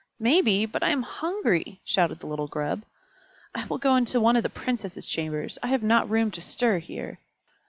"Maybe, but I am hungry!" shouted the little Grub. "I will go into one of the Princesses' chambers; I have not room to stir here."